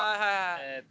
えっと。